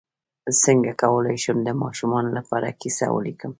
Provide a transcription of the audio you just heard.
څنګه کولی شم د ماشومانو لپاره کیسه ولیکم